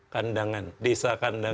kandangan desa kandangan